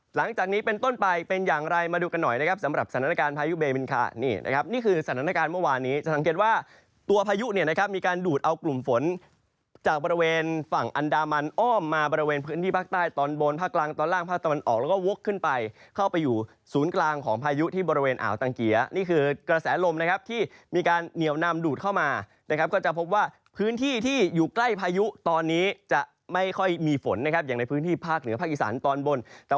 หลังจากนี้เป็นต้นไปเป็นอย่างไรมาดูกันหน่อยนะครับสำหรับสถานการณ์พายุเบเมนคานี่นะครับนี่คือสถานการณ์เมื่อวานนี้จะสังเกตว่าตัวพายุเนี่ยนะครับมีการดูดเอากลุ่มฝนจากบริเวณฝั่งอันดามันอ้อมมาบริเวณพื้นที่ภาคใต้ตอนบนภาคกลางตอนล่างภาคตะวันออกแล้วก็วกขึ้นไปเข้าไปอยู่ศูนย์กล